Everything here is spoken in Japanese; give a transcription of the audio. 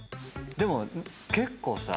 でも結構さ。